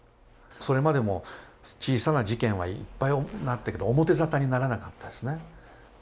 それまでも小さな事件はいっぱいあったけど表沙汰にならなかったですね。